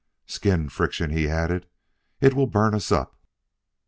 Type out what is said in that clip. "Skin friction!" he added. "It will burn us up!"